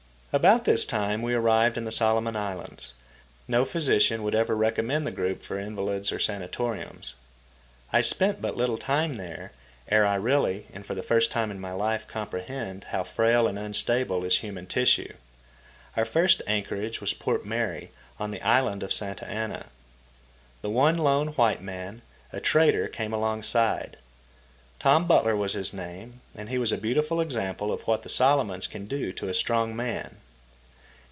About this time we arrived in the Solomon Islands. No physician would ever recommend the group for invalids or sanitoriums. I spent but little time there ere I really and for the first time in my life comprehended how frail and unstable is human tissue. Our first anchorage was Port Mary, on the island of Santa Anna. The one lone white man, a trader, came alongside. Tom Butler was his name, and he was a beautiful example of what the Solomons can do to a strong man.